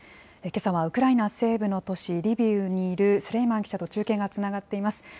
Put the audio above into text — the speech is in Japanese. けさはウクライナ西部の都市リビウにいるスレイマン記者と中継がつながっています。